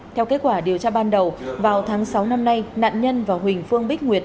theo kết quả điều tra ban đầu vào tháng sáu năm nay nạn nhân và huỳnh phương bích nguyệt